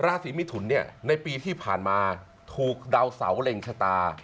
ราศีมิถุนเนี่ยในปีที่ผ่านมาถูกดาวเสาเล็งชะตา